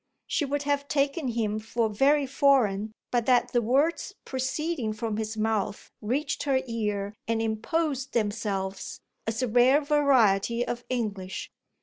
She would have taken him for very foreign but that the words proceeding from his mouth reached her ear and imposed themselves as a rare variety of English.